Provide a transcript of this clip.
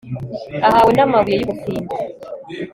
ahawe n'amabuye y'ubufindo